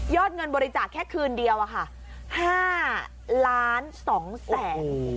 เงินบริจาคแค่คืนเดียวอะค่ะ๕ล้าน๒แสน